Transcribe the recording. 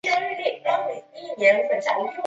奥尔堡机场是北欧最多人使用的机场之一。